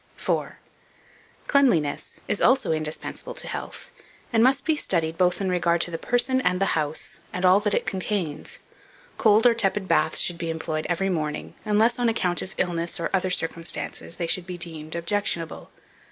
'" 4. CLEANLINESS IS ALSO INDISPENSABLE TO HEALTH, and must be studied both in regard to the person and the house, and all that it contains. Cold or tepid baths should be employed every morning, unless, on account of illness or other circumstances, they should be deemed objectionable.